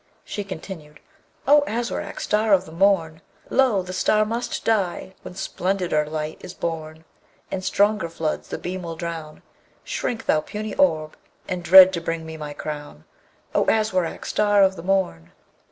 She continued, O Aswarak! star of the morn! Lo! the star must die when splendider light is born; In stronger floods the beam will drown: Shrink, thou puny orb, and dread to bring me my crown, O Aswarak! star of the morn!